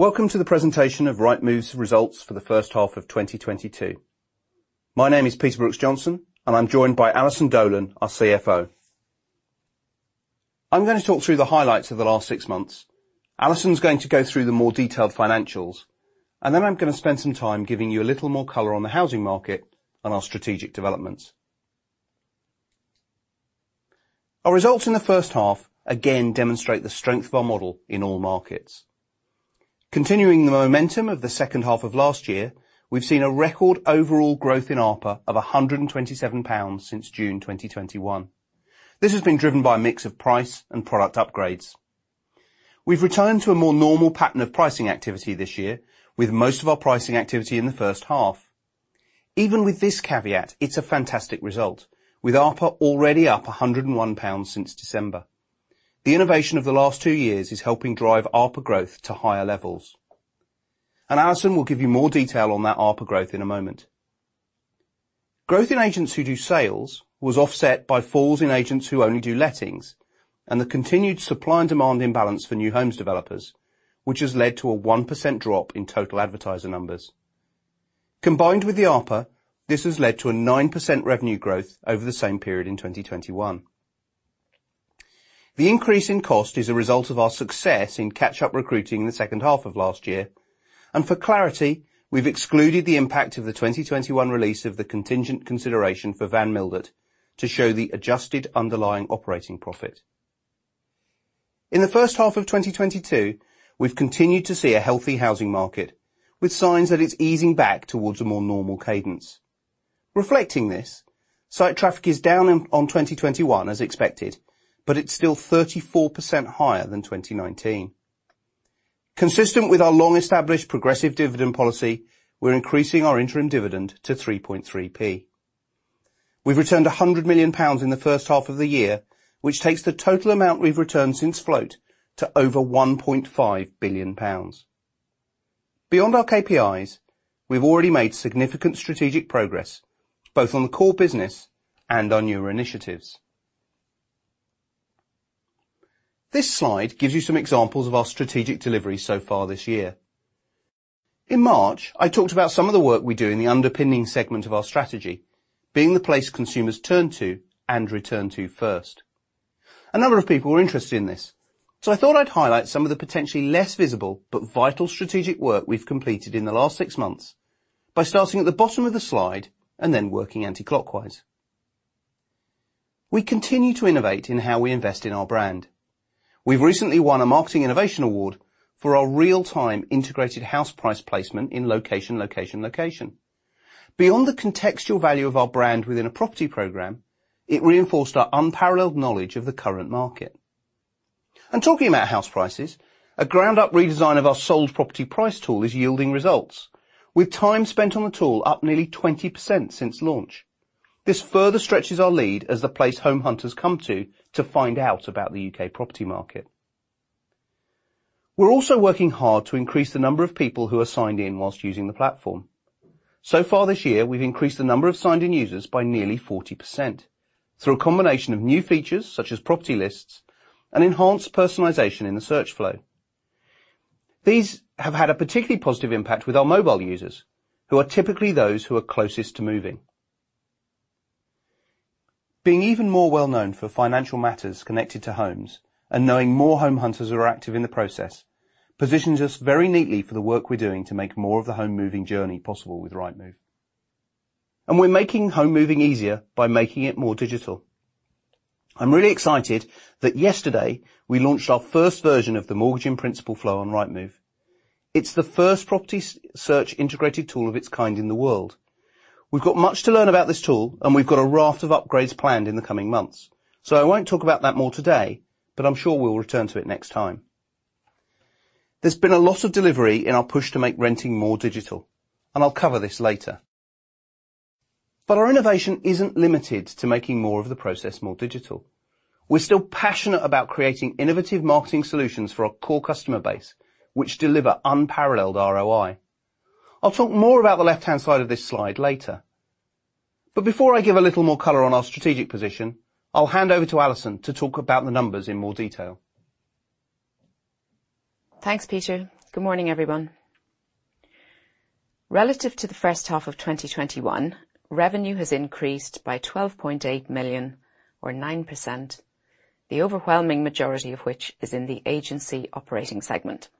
Welcome to the presentation of Rightmove's results for the first half of 2022. My name is Peter Brooks-Johnson, and I'm joined by Alison Dolan, our CFO. I'm gonna talk through the highlights of the last six months. Alison's going to go through the more detailed financials, and then I'm gonna spend some time giving you a little more color on the housing market and our strategic developments. Our results in the first half again demonstrate the strength of our model in all markets. Continuing the momentum of the second half of last year, we've seen a record overall growth in ARPA of 127 pounds since June 2021. This has been driven by a mix of price and product upgrades. We've returned to a more normal pattern of pricing activity this year, with most of our pricing activity in the first half. Even with this caveat, it's a fantastic result, with ARPA already up 101 pounds since December. The innovation of the last two years is helping drive ARPA growth to higher levels. Alison will give you more details on that ARPA growth in a moment. Growth in agents who do sales was offset by falls in agents who only do lettings and the continued supply and demand imbalance for New Homes developers, which has led to a 1% drop in total advertiser numbers. Combined with the ARPA, this has led to a 9% revenue growth over the same period in 2021. The increase in cost is a result of our success in catch-up recruiting in the second half of last year. For clarity, we've excluded the impact of the 2021 release of the contingent consideration for Van Mildert to show the adjusted underlying operating profit. In the first half of 2022, we've continued to see a healthy housing market, with signs that it's easing back towards a more normal cadence. Reflecting this, site traffic is down year-over-year on 2021 as expected, but it's still 34% higher than 2019. Consistent with our long-established progressive dividend policy, we're increasing our interim dividend to 3.3p. We've returned 100 million pounds in the first half of the year, which takes the total amount we've returned since float to over 1.5 billion pounds. Beyond our KPIs, we've already made significant strategic progress, both on the core business and our newer initiatives. This slide gives you some examples of our strategic delivery so far this year. In March, I talked about some of the work we do in the underpinning segment of our strategy, being the place consumers turn to and return to first. A number of people were interested in this, so I thought I'd highlight some of the potentially less visible, but vital strategic work we've completed in the last six months by starting at the bottom of the slide and then working counterclockwise. We continue to innovate in how we invest in our brand. We've recently won a marketing innovation award for our real-time integrated house price placement in Location, Location. Beyond the contextual value of our brand within a property program, it reinforced our unparalleled knowledge of the current market. Talking about house prices, a ground-up redesign of our sold property price tool is yielding results, with time spent on the tool up nearly 20% since launch. This further stretches our lead as the place home hunters come to, to find out about the U.K. property market. We're also working hard to increase the number of people who are signed in while using the platform. So far this year, we've increased the number of signed-in users by nearly 40% through a combination of new features, such as property lists and enhanced personalization in the search flow. These have had a particularly positive impact with our mobile users, who are typically those who are closest to moving. Being even more well-known for financial matters connected to homes and knowing more home hunters are active in the process positions us very neatly for the work we're doing to make more of the home moving journey possible with Rightmove. We're making home moving easier by making it more digital. I'm really excited that yesterday we launched our first version of the Mortgage in Principle flow on Rightmove. It's the first property search integrated tool of its kind in the world. We've got much to learn about this tool, and we've got a raft of upgrades planned in the coming months, so I won't talk about that more today, but I'm sure we'll return to it next time. There's been a lot of delivery in our push to make renting more digital, and I'll cover this later. Our innovation isn't limited to making more of the process more digital. We're still passionate about creating innovative marketing solutions for our core customer base, which deliver unparalleled ROI. I'll talk more about the left-hand side of this slide later. Before I give a little more color on our strategic position, I'll hand over to Alison to talk about the numbers in more detail. Thanks, Peter. Good morning, everyone. Relative to the first half of 2021, revenue has increased by 12.8 million or 9%, the overwhelming majority of which is in the agency operating segment.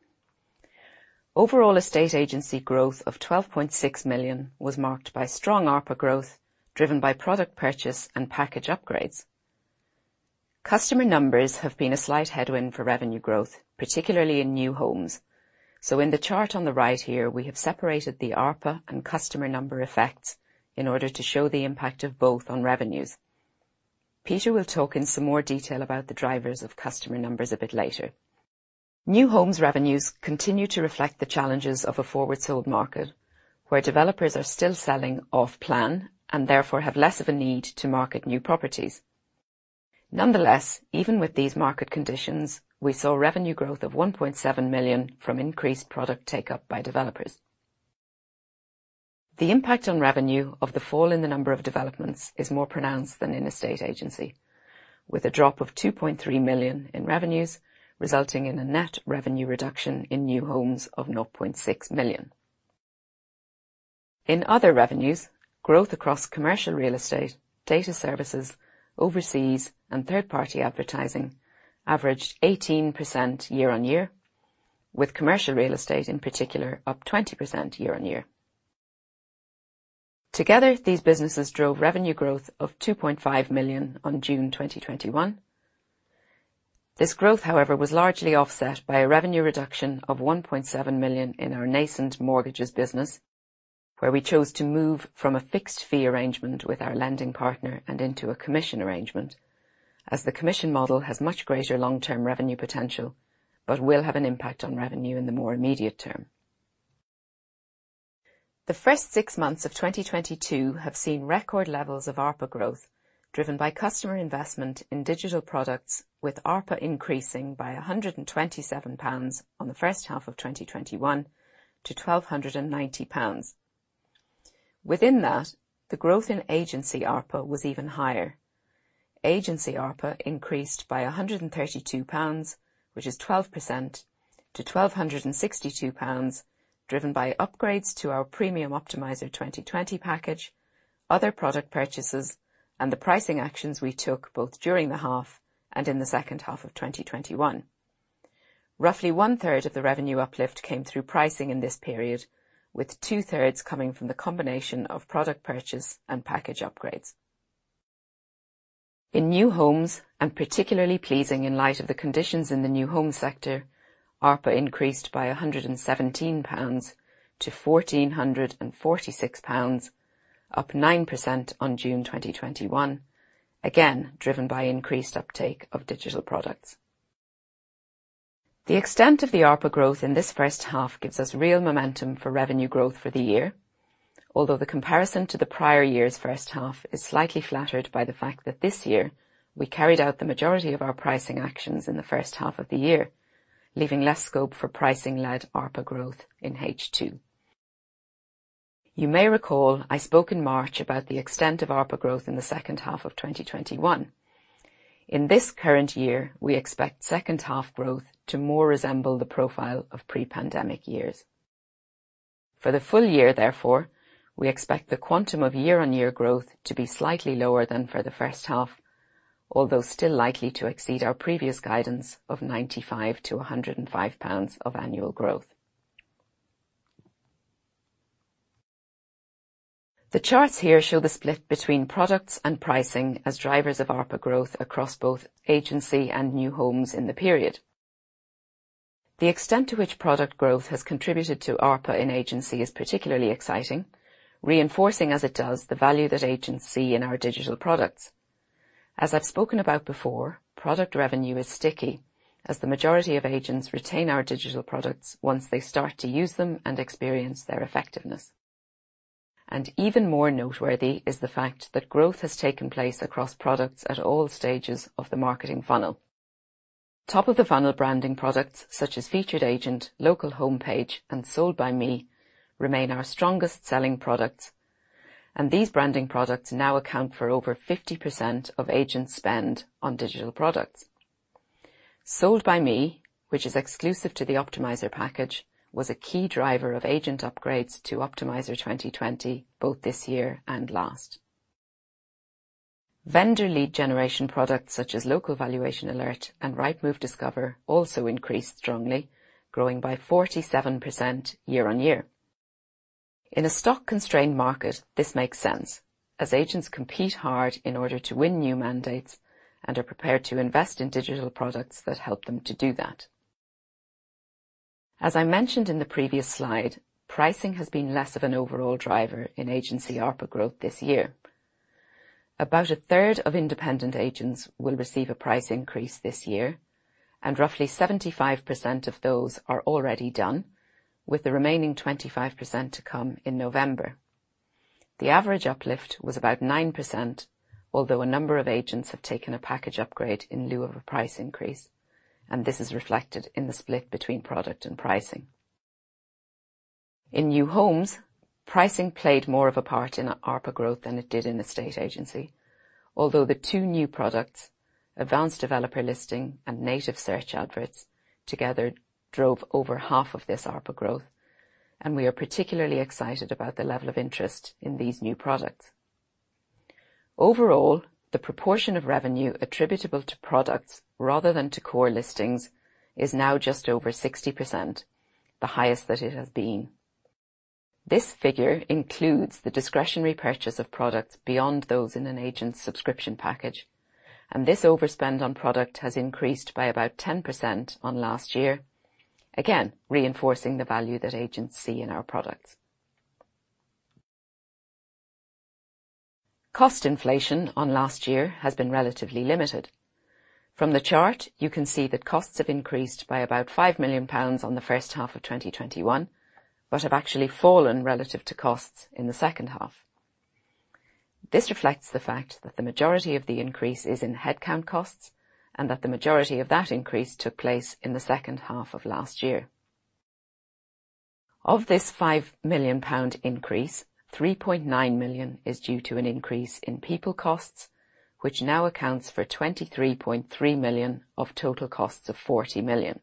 Overall estate agency growth of 12.6 million was marked by strong ARPA growth, driven by product purchase and package upgrades. Customer numbers have been a slight headwind for revenue growth, particularly in New Homes. In the chart on the right here, we have separated the ARPA and customer number effects in order to show the impact of both on revenues. Peter will talk in some more detail about the drivers of customer numbers a bit later. New Homes revenues continue to reflect the challenges of a forward sold market, where developers are still selling off-plan and therefore have less of a need to market new properties. Nonetheless, even with these market conditions, we saw revenue growth of 1.7 million from increased product take-up by developers. The impact on revenue of the fall in the number of developments is more pronounced than in estate agency, with a drop of 2.3 million in revenues, resulting in a net revenue reduction in New Homes of 0.6 million. In other revenues, growth across commercial real estate, data services, overseas, and third-party advertising averaged 18% year-on-year, with commercial real estate in particular up 20% year-on-year. Together, these businesses drove revenue growth of 2.5 million in June 2021. This growth, however, was largely offset by a revenue reduction of 1.7 million in our nascent mortgages business, where we chose to move from a fixed fee arrangement with our lending partner and into a commission arrangement, as the commission model has much greater long-term revenue potential, but will have an impact on revenue in the more immediate term. The first six months of 2022 have seen record levels of ARPA growth, driven by customer investment in digital products, with ARPA increasing by 127 pounds on the first half of 2021 to 1,290 pounds. Within that, the growth in agency ARPA was even higher. Agency ARPA increased by 132 pounds, which is 12% to 1,262 pounds, driven by upgrades to our premium Optimiser 2020 package, other product purchases, and the pricing actions we took both during the half and in the second half of 2021. Roughly 1/3 of the revenue uplift came through pricing in this period, with 2/3 coming from the combination of product purchase and package upgrades. In New Homes, and particularly pleasing in light of the conditions in the new home sector, ARPA increased by GBP 117 to GBP 1,446, up 9% on June 2021. Again, driven by increased uptake of digital products. The extent of the ARPA growth in this first half gives us real momentum for revenue growth for the year. Although the comparison to the prior year's first half is slightly flattered by the fact that this year we carried out the majority of our pricing actions in the first half of the year, leaving less scope for pricing-led ARPA growth in H2. You may recall I spoke in March about the extent of ARPA growth in the second half of 2021. In this current year, we expect second half growth to more resemble the profile of pre-pandemic years. For the full-year, therefore, we expect the quantum of year-on-year growth to be slightly lower than for the first half, although still likely to exceed our previous guidance of 95-105 pounds of annual growth. The charts here show the split between products and pricing as drivers of ARPA growth across both agency and New Homes in the period. The extent to which product growth has contributed to ARPA in agency is particularly exciting, reinforcing as it does the value that agents see in our digital products. As I've spoken about before, product revenue is sticky as the majority of agents retain our digital products once they start to use them and experience their effectiveness. Even more noteworthy is the fact that growth has taken place across products at all stages of the marketing funnel. Top of the funnel branding products, such as Featured Agent, Local Home Page, and Sold By Me, remain our strongest-selling products. These branding products now account for over 50% of agent spend on digital products. Sold By Me, which is exclusive to the Optimiser package, was a key driver of agent upgrades to Optimiser 2020, both this year and last. Vendor lead generation products such as Local Valuation Alert and Rightmove Discover also increased strongly, growing by 47% year-on-year. In a stock-constrained market, this makes sense as agents compete hard in order to win new mandates and are prepared to invest in digital products that help them to do that. As I mentioned in the previous slide, pricing has been less of an overall driver in agency ARPA growth this year. About a third of independent agents will receive a price increase this year, and roughly 75% of those are already done with the remaining 25% to come in November. The average uplift was about 9%, although a number of agents have taken a package upgrade in lieu of a price increase, and this is reflected in the split between product and pricing. In New Homes, pricing played more of a part in ARPA growth than it did in estate agency. Although the two new products, Advanced Developer Listing and Native Search Adverts together drove over half of this ARPA growth, and we are particularly excited about the level of interest in these new products. Overall, the proportion of revenue attributable to products rather than to core listings is now just over 60%, the highest that it has been. This figure includes the discretionary purchase of products beyond those in an agent's subscription package, and this overspend on products has increased by about 10% on last year. Again, reinforcing the value that agents see in our products. Cost inflation on last year has been relatively limited. From the chart, you can see that costs have increased by about 5 million pounds in the first half of 2021, but have actually fallen relative to costs in the second half. This reflects the fact that the majority of the increase is in headcount costs and that the majority of that increase took place in the second half of last year. Of this 5 million pound increase, 3.9 million is due to an increase in people costs, which now accounts for 23.3 million of total costs of 40 million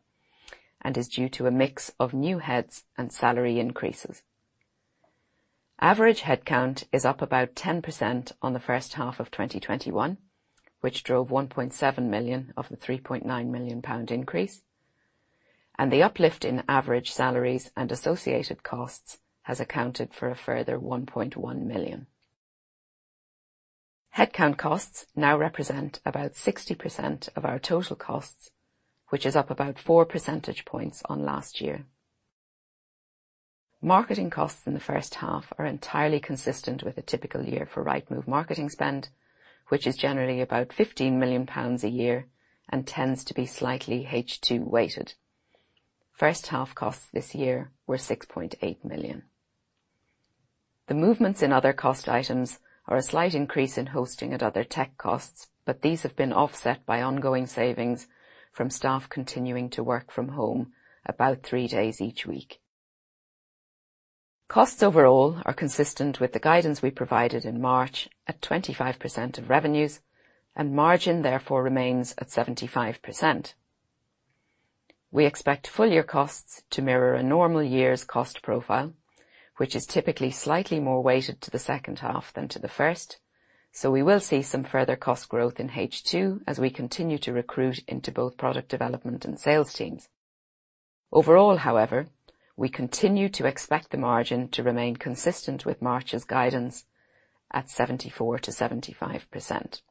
and is due to a mix of new heads and salary increases. Average headcount is up about 10% in the first half of 2021, which drove 1.7 million of the 3.9 million pound increase. The uplift in average salaries and associated costs has accounted for a further 1.1 million. Headcount costs now represent about 60% of our total costs, which is up about four percentage points on last year. Marketing costs in the first half are entirely consistent with a typical year for Rightmove marketing spend, which is generally about 15 million pounds a year and tends to be slightly H2 weighted. First half costs this year were 6.8 million. The movements in other cost items are a slight increase in hosting and other tech costs, but these have been offset by ongoing savings from staff continuing to work from home about three days each week. Costs overall are consistent with the guidance we provided in March at 25% of revenues, and margin therefore remains at 75%. We expect full-year costs to mirror a normal year's cost profile, which is typically slightly more weighted to the second half than to the first, so we will see some further cost growth in H2 as we continue to recruit into both product development and sales teams. Overall, however, we continue to expect the margin to remain consistent with March's guidance at 74%-75%.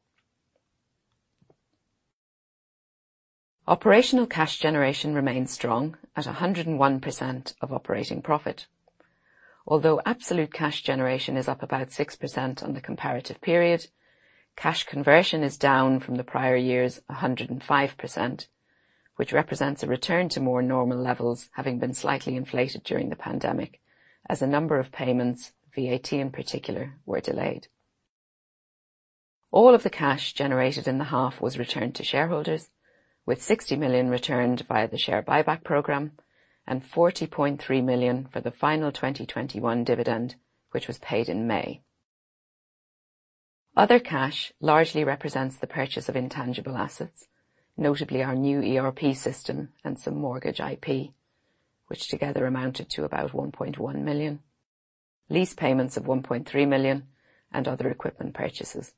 Operational cash generation remains strong at 101% of operating profit. Although absolute cash generation is up about 6% on the comparative period, cash conversion is down from the prior year's 105%, which represents a return to more normal levels, having been slightly inflated during the pandemic as a number of payments, VAT in particular, were delayed. All of the cash generated in the half was returned to shareholders, with 60 million returned via the share buyback program and 40.3 million for the final 2021 dividend, which was paid in May. Other cash largely represents the purchase of intangible assets, notably our new ERP system and some mortgage IP, which together amounted to about 1.1 million, lease payments of 1.3 million, and other equipment purchases.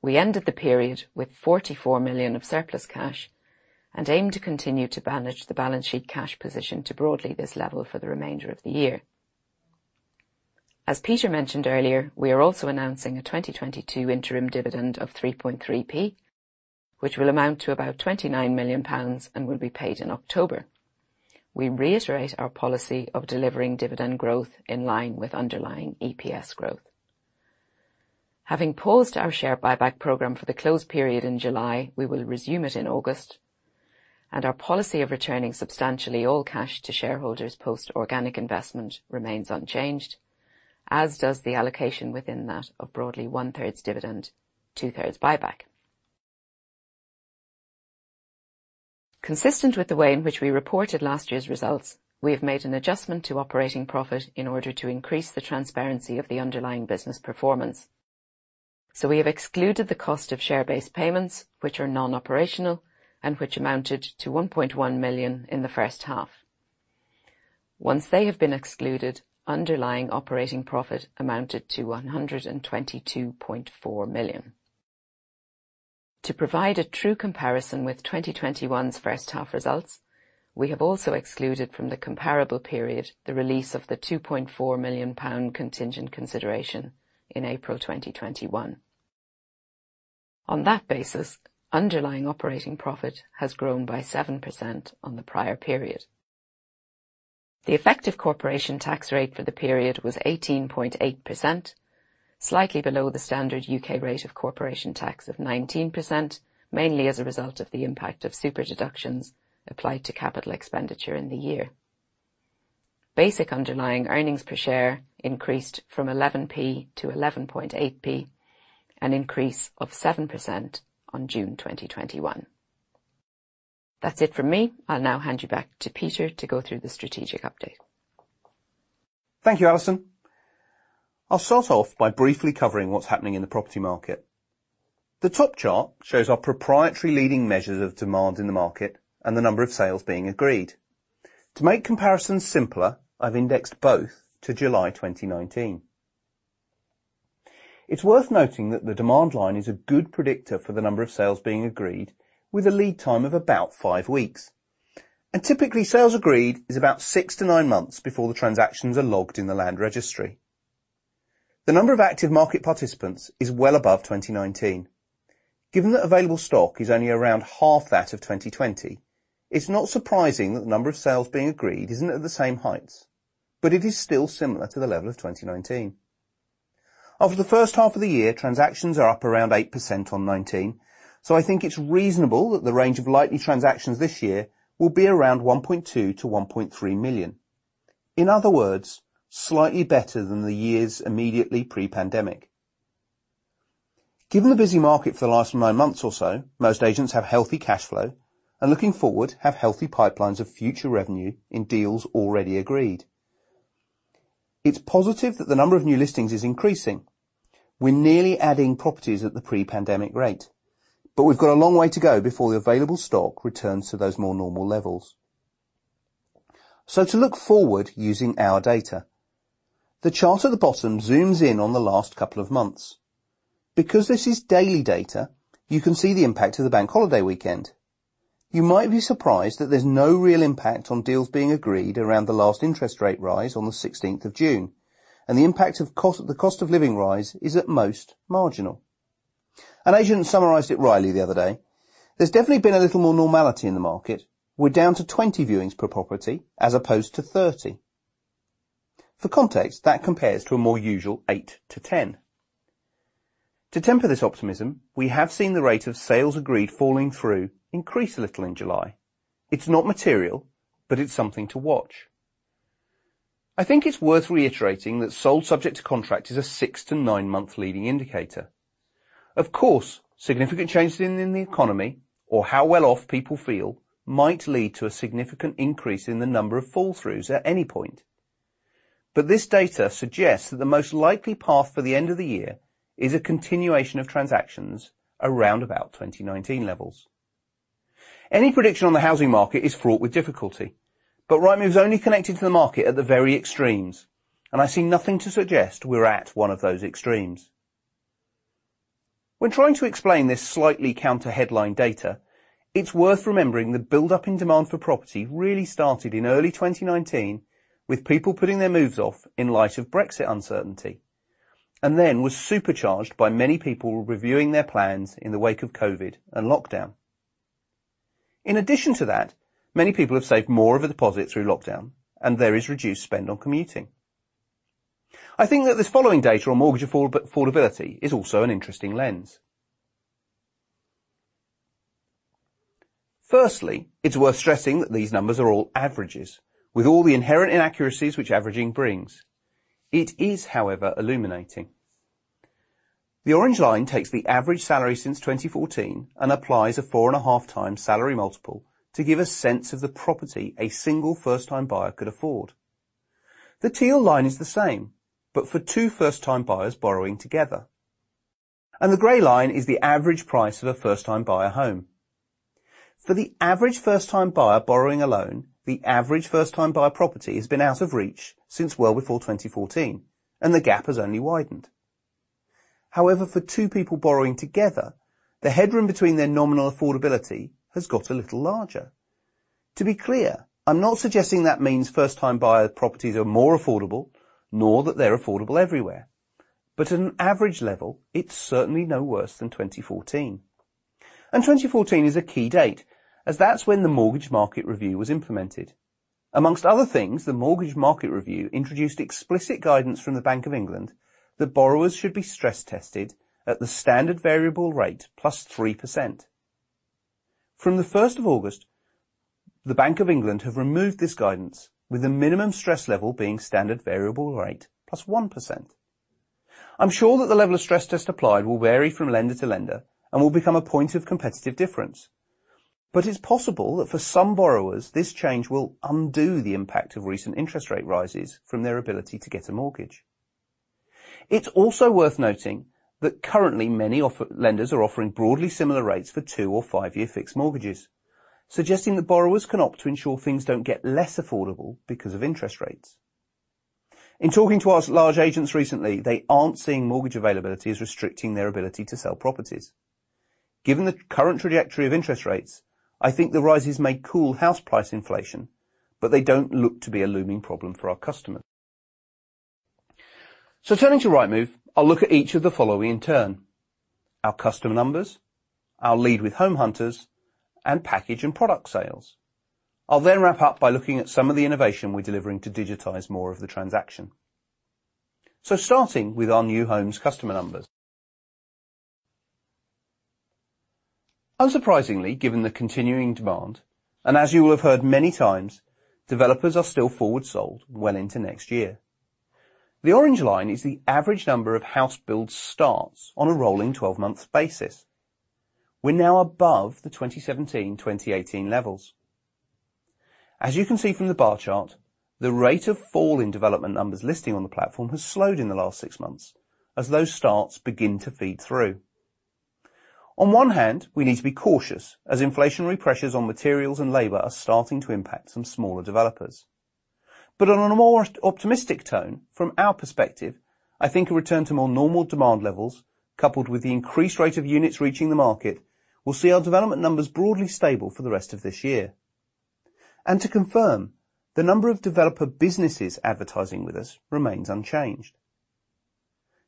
We ended the period with 44 million of surplus cash and aim to continue to manage the balance sheet cash position to broadly this level for the remainder of the year. As Peter mentioned earlier, we are also announcing a 2022 interim dividend of 3.3p, which will amount to about 29 million pounds and will be paid in October. We reiterate our policy of delivering dividend growth in line with underlying EPS growth. Having paused our share buyback program for the closed period in July, we will resume it in August. Our policy of returning substantially all cash to shareholders post organic investment remains unchanged, as does the allocation within that of broadly 1/3 dividend, 2/3 buyback. Consistent with the way in which we reported last year's results, we have made an adjustment to operating profit in order to increase the transparency of the underlying business performance. We have excluded the cost of share-based payments, which are non-operational and which amounted to 1.1 million in the first half. Once they have been excluded, underlying operating profit amounted to 122.4 million. To provide a true comparison with 2021's first half results, we have also excluded from the comparable period the release of the 2.4 million pound contingent consideration in April 2021. On that basis, underlying operating profit has grown by 7% on the prior period. The effective corporation tax rate for the period was 18.8%, slightly below the standard U.K. rate of corporation tax of 19%, mainly as a result of the impact of super-deduction applied to capital expenditure in the year. Basic underlying earnings per share increased from 11p to 11.8p, an increase of 7% on June 2021. That's it from me. I'll now hand you back to Peter to go through the strategic update. Thank you, Alison. I'll start off by briefly covering what's happening in the property market. The top chart shows our proprietary leading measures of demand in the market and the number of sales being agreed. To make comparisons simpler, I've indexed both to July 2019. It's worth noting that the demand line is a good predictor for the number of sales being agreed with a lead time of about five weeks. Typically, sales agreed is about six to nine months before the transactions are logged in the Land Registry. The number of active market participants is well above 2019. Given that available stock is only around half that of 2020, it's not surprising that the number of sales being agreed isn't at the same heights, but it is still similar to the level of 2019. Over the first half of the year, transactions are up around 8% on 2019, so I think it's reasonable that the range of likely transactions this year will be around 1.2 million-1.3 million. In other words, slightly better than the years immediately pre-pandemic. Given the busy market for the last nine months or so, most agents have healthy cash flow and, looking forward, have healthy pipelines of future revenue in deals already agreed. It's positive that the number of new listings is increasing. We're nearly adding properties at the pre-pandemic rate, but we've got a long way to go before the available stock returns to those more normal levels. To look forward, using our data, the chart at the bottom zooms in on the last couple of months. Because this is daily data, you can see the impact of the Bank Holiday weekend. You might be surprised that there's no real impact on deals being agreed around the last interest rate rise on the sixteenth of June, and the impact of cost, the cost of living rise, is at most marginal. An agent summarized it wryly the other day, "There's definitely been a little more normality in the market. We're down to 20 viewings per property as opposed to 30." For context, that compares to a more usual eight to 10. To temper this optimism, we have seen the rate of sales agreed falling through increase a little in July. It's not material, but it's something to watch. I think it's worth reiterating that sold subject to contract is a six to nine-month leading indicator. Of course, significant changes in the economy or how well off people feel might lead to a significant increase in the number of fall-throughs at any point. This data suggests that the most likely path for the end of the year is a continuation of transactions around about 2019 levels. Any prediction on the housing market is fraught with difficulty, but Rightmove's only connected to the market at the very extremes, and I see nothing to suggest we're at one of those extremes. When trying to explain this slightly counter headline data, it's worth remembering the buildup in demand for property really started in early 2019, with people putting their moves off in light of Brexit uncertainty, and then was supercharged by many people reviewing their plans in the wake of COVID and lockdown. In addition to that, many people have saved more of a deposit through lockdown, and there is reduced spend on commuting. I think that this following data on mortgage affordability is also an interesting lens. First, it's worth stressing that these numbers are all averages, with all the inherent inaccuracies which averaging brings. It is, however, illuminating. The orange line takes the average salary since 2014 and applies a 4.5x salary multiple to give a sense of the property a single first-time buyer could afford. The teal line is the same, but for two first-time buyers borrowing together, and the gray line is the average price of a first-time buyer home. For the average first-time buyer borrowing alone, the average first-time buyer property has been out of reach since well before 2014, and the gap has only widened. However, for two people borrowing together, the headroom between their nominal affordability has got a little larger. To be clear, I'm not suggesting that means first-time buyer properties are more affordable, nor that they're affordable everywhere, but at an average level, it's certainly no worse than 2014. 2014 is a key date, as that's when the Mortgage Market Review was implemented. Among other things, the Mortgage Market Review introduced explicit guidance from the Bank of England that borrowers should be stress tested at the standard variable rate +3%. From the first of August, the Bank of England have removed this guidance with a minimum stress level being standard variable rate +1%. I'm sure that the level of stress test applied will vary from lender to lender and will become a point of competitive difference. It's possible that for some borrowers, this change will undo the impact of recent interest rate rises from their ability to get a mortgage. It's also worth noting that currently, many lenders are offering broadly similar rates for two or five-year fixed mortgages, suggesting that borrowers can opt to ensure things don't get less affordable because of interest rates. In talking to our large agents recently, they aren't seeing mortgage availability as restricting their ability to sell properties. Given the current trajectory of interest rates, I think the rises may cool house price inflation, but they don't look to be a looming problem for our customers. Turning to Rightmove, I'll look at each of the following in turn, our customer numbers, our leads with home hunters, and package and product sales. I'll then wrap up by looking at some of the innovations we're delivering to digitize more of the transaction. Starting with our New Homes customer numbers. Unsurprisingly, given the continuing demand, and as you will have heard many times, developers are still forward sold well into next year. The orange line is the average number of house build starts on a rolling 12-months basis. We're now above the 2017, 2018 levels. As you can see from the bar chart, the rate of fall in development numbers listing on the platform has slowed in the last six months as those starts begin to feed through. On one hand, we need to be cautious as inflationary pressures on materials and labor are starting to impact some smaller developers. On a more optimistic tone, from our perspective, I think a return to more normal demand levels, coupled with the increased rate of units reaching the market, will see our development numbers broadly stable for the rest of this year. To confirm, the number of developer businesses advertising with us remains unchanged.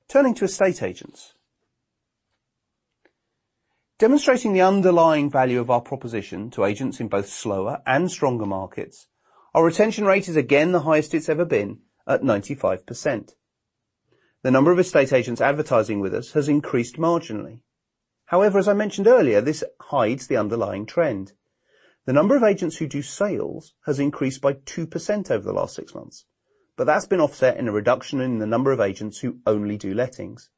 Turning to estate agents. Demonstrating the underlying value of our proposition to agents in both slower and stronger markets, our retention rate is again the highest it's ever been at 95%. The number of estate agents advertising with us has increased marginally. However, as I mentioned earlier, this hides the underlying trend. The number of agents who do sales has increased by 2% over the last six months, but that's been offset by a reduction in the number of agents who only do lettings.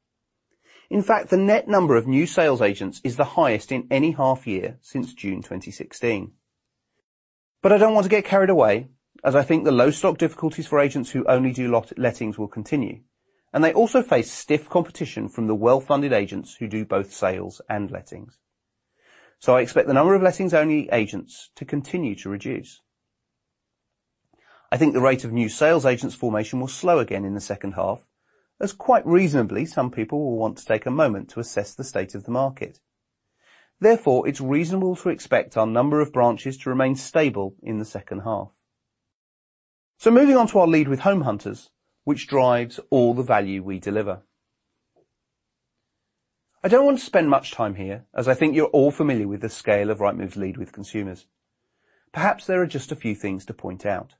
In fact, the net number of new sales agents is the highest in any half-year since June 2016. I don't want to get carried away, as I think the low stock difficulties for agents who only do lettings will continue, and they also face stiff competition from the well-funded agents who do both sales and lettings. I expect the number of lettings-only agents to continue to reduce. I think the rate of new sales agents formation will slow again in the second half, as quite reasonably, some people will want to take a moment to assess the state of the market. Therefore, it's reasonable to expect our number of branches to remain stable in the second half. Moving on to our lead with home hunters, which drives all the value we deliver. I don't want to spend much time here, as I think you're all familiar with the scale of Rightmove's lead with consumers. Perhaps there are just a few things to point out.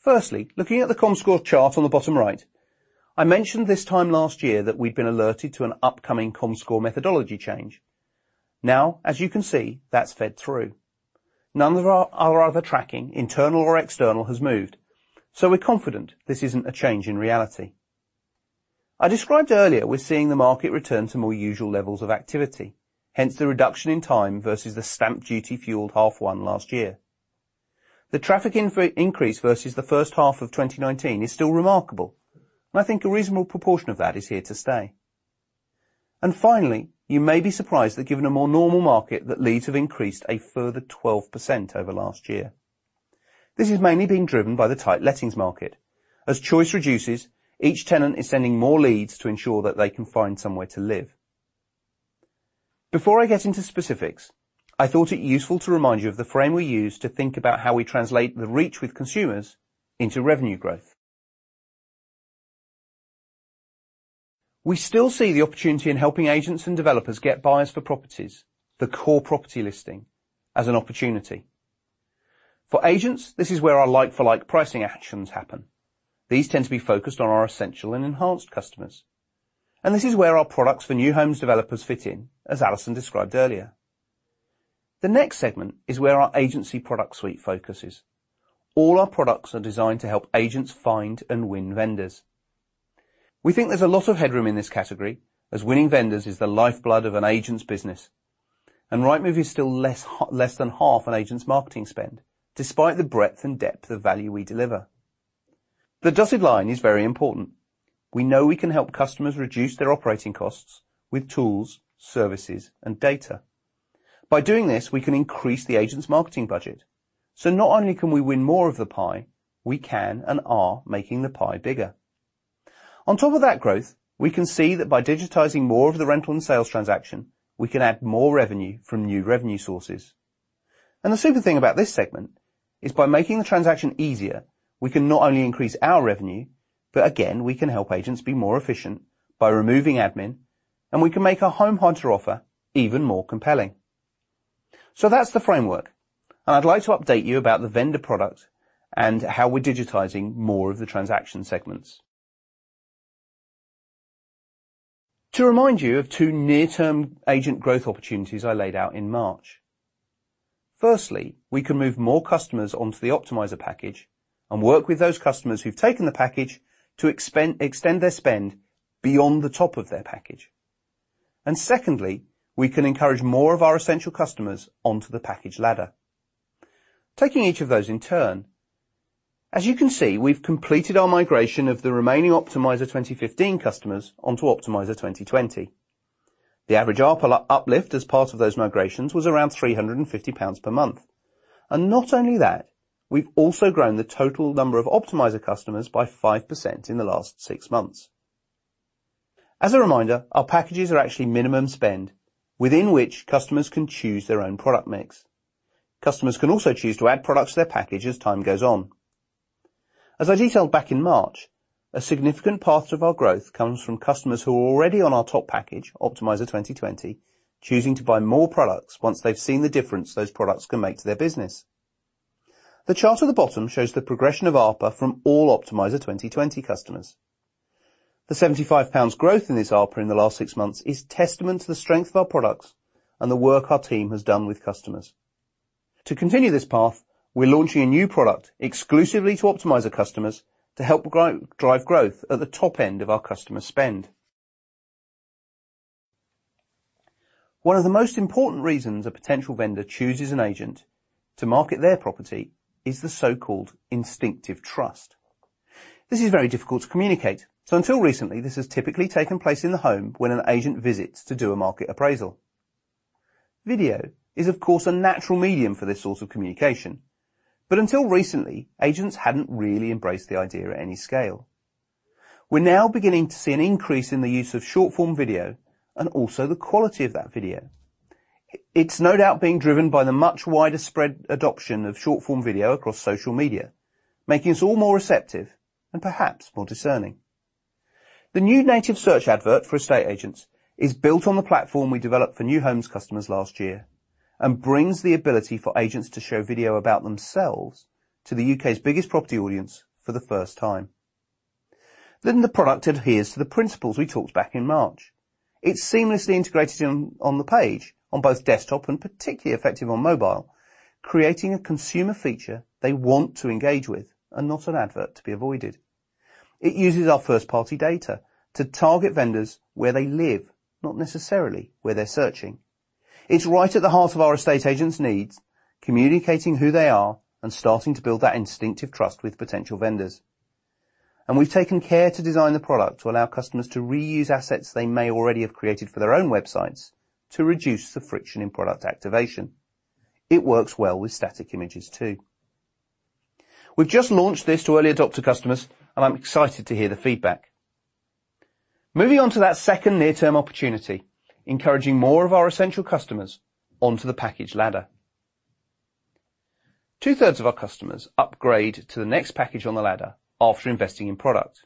Firstly, looking at the Comscore chart on the bottom right, I mentioned this time last year that we've been alerted to an upcoming Comscore methodology change. Now, as you can see, that's fed through. None of our other tracking, internal or external, has moved, so we're confident this isn't a change in reality. I described earlier, we're seeing the market return to more usual levels of activity, hence the reduction in time versus the stamp duty-fueled H1 last year. The traffic increase versus the first half of 2019 is still remarkable, and I think a reasonable proportion of that is here to stay. Finally, you may be surprised that, given a more normal market, that leads have increased a further 12% over last year. This has mainly been driven by the tight lettings market. As choice reduces, each tenant is sending more leads to ensure that they can find somewhere to live. Before I get into specifics, I thought it useful to remind you of the frame we use to think about how we translate the reach with consumers into revenue growth. We still see the opportunity in helping agents and developers get buyers for properties, the core property listing, as an opportunity. For agents, this is where our like-for-like pricing actions happen. These tend to be focused on our Essential and Enhanced customers. This is where our products for New Homes developers fit in, as Alison described earlier. The next segment is where our agency product suite focuses. All our products are designed to help agents find and win vendors. We think there's a lot of headroom in this category, as winning vendors is the lifeblood of an agent's business. Rightmove is still less than half an agent's marketing spend, despite the breadth and depth of value we deliver. The dotted line is very important. We know we can help customers reduce their operating costs with tools, services, and data. By doing this, we can increase the agent's marketing budget. Not only can we win more of the pie, we can and are making the pie bigger. On top of that growth, we can see that by digitizing more of the rental and sales transaction, we can add more revenue from new revenue sources. The super thing about this segment is by making the transaction easier, we can not only increase our revenue, but again, we can help agents be more efficient by removing admin, and we can make our home hunter offer even more compelling. That's the framework. I'd like to update you about the vendor product and how we're digitizing more of the transaction segments. To remind you of two near-term agent growth opportunities I laid out in March. Firstly, we can move more customers onto the Optimiser package and work with those customers who've taken the package to extend their spend beyond the top of their package. Secondly, we can encourage more of our Essential customers onto the package ladder. Taking each of those in turn, as you can see, we've completed our migration of the remaining Optimiser 2015 customers onto Optimiser 2020. The average uplift as part of those migrations was around 350 pounds per month. Not only that, we've also grown the total number of Optimiser customers by 5% in the last six months. As a reminder, our packages are actually minimum spend, within which customers can choose their own product mix. Customers can also choose to add products to their package as time goes on. As I detailed back in March, a significant part of our growth comes from customers who are already on our top package, Optimiser 2020, choosing to buy more products once they've seen the difference those products can make to their business. The chart on the bottom shows the progression of ARPA from all Optimiser 2020 customers. The 75 pounds growth in this ARPA in the last six months is a testament to the strength of our products and the work our team has done with customers. To continue this path, we're launching a new product exclusively to Optimiser customers to help drive growth at the top end of our customer spend. One of the most important reasons a potential vendor chooses an agent to market their property is the so-called instinctive trust. This is very difficult to communicate, so until recently, this has typically taken place in the home when an agent visits to do a market appraisal. Video is, of course, a natural medium for this sort of communication. Until recently, agents hadn't really embraced the idea at any scale. We're now beginning to see an increase in the use of short-form video and also the quality of that video. It's no doubt being driven by the much wider spread adoption of short-form video across social media, making us all more receptive and perhaps more discerning. The new Native Search Ad for estate agents is built on the platform we developed for New Homes customers last year. It brings the ability for agents to show video about themselves to the U.K.'s biggest property audience for the first time. The product adheres to the principles we talked back in March. It's seamlessly integrated on the page on both desktop and particularly effective on mobile, creating a consumer feature they want to engage with and not an ad to be avoided. It uses our first-party data to target vendors where they live, not necessarily where they're searching. It's right at the heart of our estate agents' needs, communicating who they are and starting to build that instinctive trust with potential vendors. We've taken care to design the product to allow customers to reuse assets they may already have created for their own websites to reduce the friction in product activation. It works well with static images too. We've just launched this to early adopter customers, and I'm excited to hear the feedback. Moving on to that second near-term opportunity, encouraging more of our Essential customers onto the package ladder. Two-thirds of our customers upgrade to the next package on the ladder after investing in product.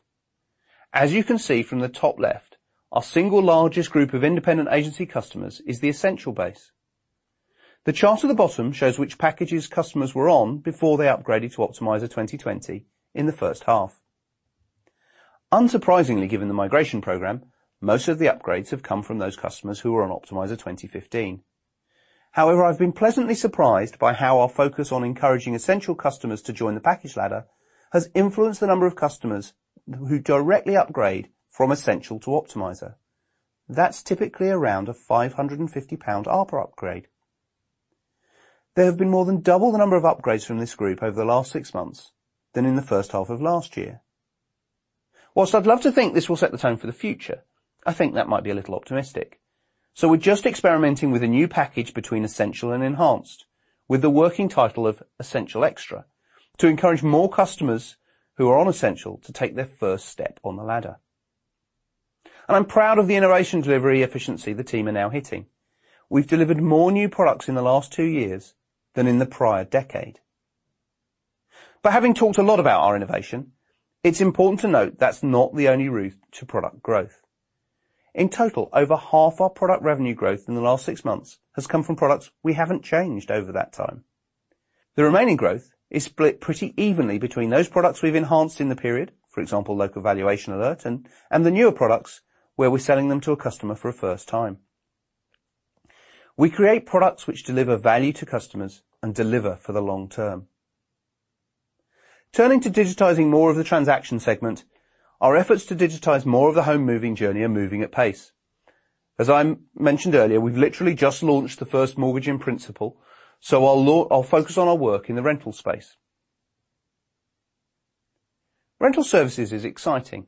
As you can see from the top left, our single largest group of independent agency customers is the Essential base. The chart at the bottom shows which packages customers were on before they upgraded to Optimiser 2020 in the first half. Unsurprisingly, given the migration program, most of the upgrades have come from those customers who are on Optimiser 2015. However, I've been pleasantly surprised by how our focus on encouraging Essential customers to join the package ladder has influenced the number of customers who directly upgrade from Essential to Optimiser. That's typically around a 550 pound ARPA upgrade. There have been more than double the number of upgrades from this group over the last six months than in the first half of last year. While I'd love to think this will set the tone for the future, I think that might be a little optimistic. We're just experimenting with a new package between Essential and Enhanced, with the working title of Essential Extra, to encourage more customers who are on Essential to take their first step on the ladder. I'm proud of the innovation delivery efficiency the team are now hitting. We've delivered more new products in the last two years than in the prior decade. Having talked a lot about our innovation, it's important to note that's not the only route to product growth. In total, over half of our product revenue growth in the last six months has come from products we haven't changed over that time. The remaining growth is split pretty evenly between those products we've enhanced in the period, for example, Local Valuation Alert, and the newer products where we're selling them to a customer for a first time. We create products which deliver value to customers and deliver for the long term. Turning to digitizing more of the transaction segment, our efforts to digitize more of the home moving journey are moving at pace. As I mentioned earlier, we've literally just launched the first Mortgage in Principle, so I'll focus on our work in the rental space. Rental services is exciting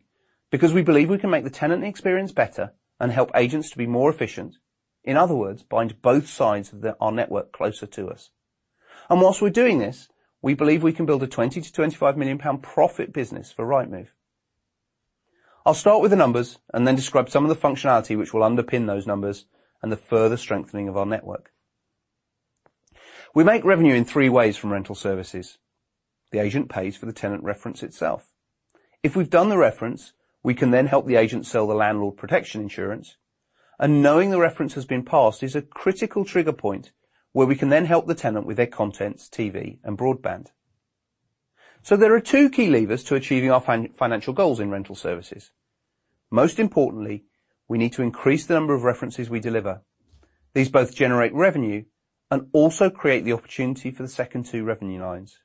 because we believe we can make the tenant experience better and help agents to be more efficient, in other words, bind both sides of our network closer to us. While we're doing this, we believe we can build a 20 million-25 million pound profit business for Rightmove. I'll start with the numbers and then describe some of the functionality which will underpin those numbers and the further strengthening of our network. We make revenue in three ways from rental services. The agent pays for the tenant reference itself. If we've done the reference, we can then help the agent sell the landlord protection insurance. Knowing the reference has been passed is a critical trigger point where we can then help the tenant with their contents, TV, and broadband. There are two key levers to achieving our financial goals in rental services. Most importantly, we need to increase the number of references we deliver. These both generate revenue and also create the opportunity for the second two revenue lines.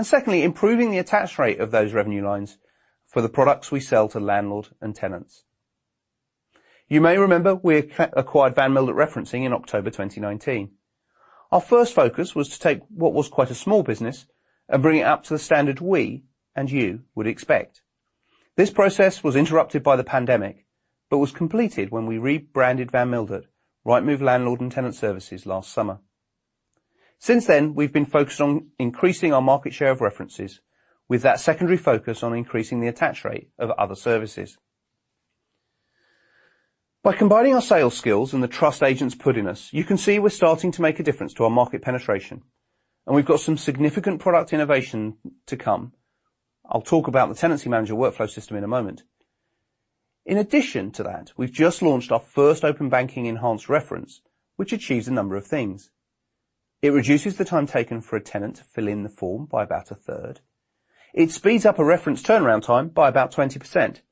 Secondly, improving the attach rate of those revenue lines for the products we sell to landlords and tenants. You may remember we acquired Van Mildert Referencing in October 2019. Our first focus was to take what was quite a small business and bring it up to the standard we and you would expect. This process was interrupted by the pandemic, but was completed when we rebranded Van Mildert, Rightmove Landlord and Tenant Services, last summer. Since then, we've been focused on increasing our market share of references with that secondary focus on increasing the attach rate of other services. By combining our sales skills and the trust agents put in us, you can see we're starting to make a difference to our market penetration, and we've got some significant product innovation to come. I'll talk about the Tenancy Manager workflow system in a moment. In addition to that, we've just launched our first Open Banking enhanced reference, which achieves a number of things. It reduces the time taken for a tenant to fill in the form by about a third. It speeds up a reference turnaround time by about 20%,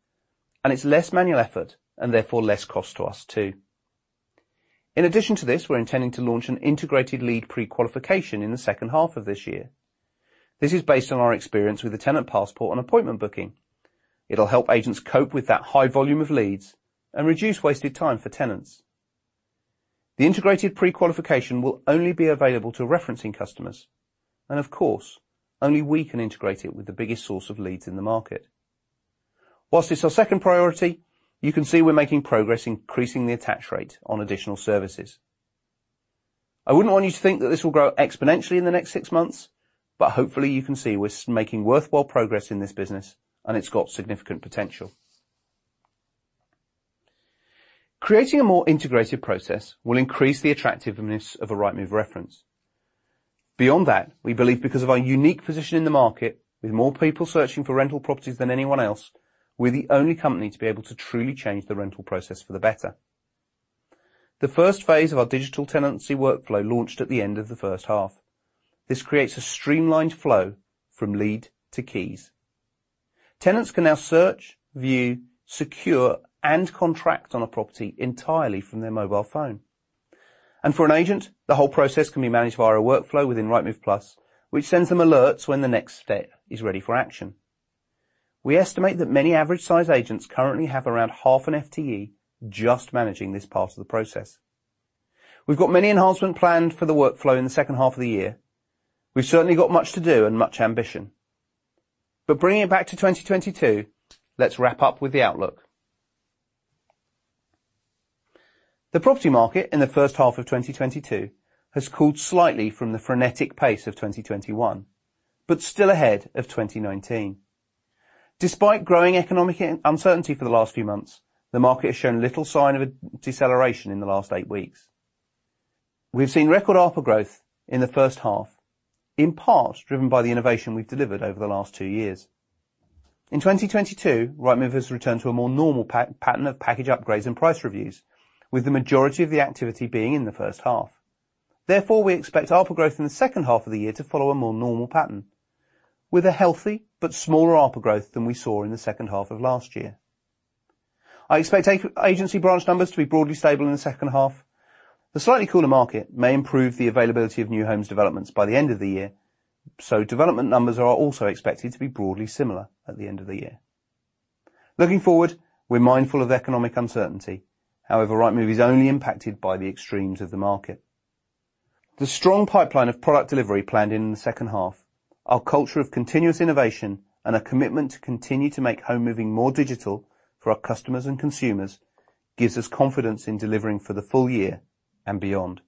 and it's less manual effort and therefore less cost to us too. In addition to this, we're intending to launch an integrated lead prequalification in the second half of this year. This is based on our experience with the tenant passport and appointment booking. It'll help agents cope with that high volume of leads and reduce wasted time for tenants. The integrated prequalification will only be available to referencing customers and, of course, only we can integrate it with the biggest source of leads in the market. While it's our second priority, you can see we're making progress increasing the attach rate on additional services. I wouldn't want you to think that this will grow exponentially in the next six months, but hopefully you can see we're making worthwhile progress in this business and it's got significant potential. Creating a more integrated process will increase the attractiveness of a Rightmove reference. Beyond that, we believe because of our unique position in the market, with more people searching for rental properties than anyone else, we're the only company to be able to truly change the rental process for the better. The first phase of our digital tenancy workflow launched at the end of the first half. This creates a streamlined flow from lead to keys. Tenants can now search, view, secure, and contract on a property entirely from their mobile phone. For an agent, the whole process can be managed via a workflow within Rightmove Plus, which sends them alerts when the next step is ready for action. We estimate that many average-sized agents currently have around half an FTE just managing this part of the process. We've got many enhancements planned for the workflow in the second half of the year. We've certainly got much to do and much ambition. Bringing it back to 2022, let's wrap up with the outlook. The property market in the first half of 2022 has cooled slightly from the frenetic pace of 2021, but still ahead of 2019. Despite growing economic uncertainty for the last few months, the market has shown little sign of a deceleration in the last eight weeks. We've seen record offer growth in the first half, in part driven by the innovation we've delivered over the last two years. In 2022, Rightmove has returned to a more normal pattern of package upgrades and price reviews, with the majority of the activity being in the first half. Therefore, we expect offer growth in the second half of the year to follow a more normal pattern with a healthy but smaller offer growth than we saw in the second half of last year. I expect agency branch numbers to be broadly stable in the second half. The slightly cooler market may improve the availability of New Homes developments by the end of the year. Development numbers are also expected to be broadly similar at the end of the year. Looking forward, we're mindful of economic uncertainty. However, Rightmove is only impacted by the extremes of the market. The strong pipeline of product delivery planned in the second half, our culture of continuous innovation, and a commitment to continue to make home moving more digital for our customers and consumers, gives us confidence in delivering for the full year and beyond.